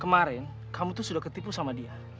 kemarin kamu tuh sudah ketipu sama dia